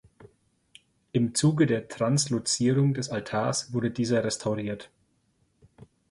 Im Zuge der Translozierung des Altars wurde dieser restauriert.